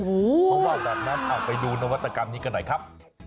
เขาว่าแบบนั้นเอาไปดูนวัตกรรมนี้กันหน่อยครับ